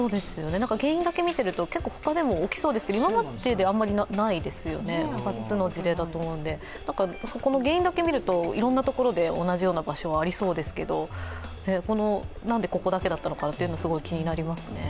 原因だけ見ていると、結構他でも起きそうですけど、今までであまりないですよね、初の事例だと思うので、そこの原因だけ見るといろんなところで同じような場所がありそうですけど何でここだけだったのかというのは、すごい気になりますね。